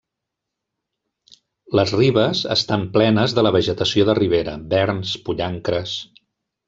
Les ribes estan plenes de la vegetació de ribera: verns, pollancres.